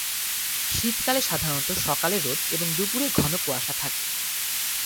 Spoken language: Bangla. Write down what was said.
শীতকালে সাধারণত সকালে রোদ এবং দুপুরে ঘন কুয়াশা থাকে।